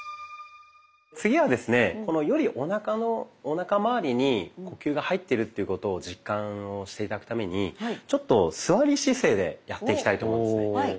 次はですねよりおなかまわりに呼吸が入ってるということを実感して頂くためにちょっと座り姿勢でやっていきたいと思いますね。